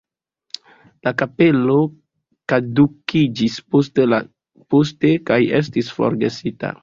La kapelo kadukiĝis poste kaj estis forgesita.